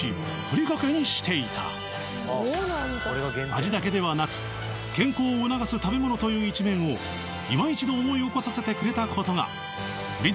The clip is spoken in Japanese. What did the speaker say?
味だけではなく健康を促す食べ物という一面をいま一度思い起こさせてくれたことがふり